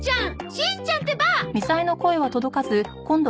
しんちゃんってば！